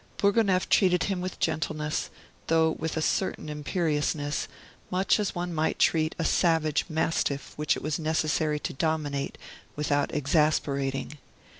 Bourgonef treated him with gentleness, though with a certain imperiousness; much as one might treat a savage mastiff which it was necessary to dominate without exasperating.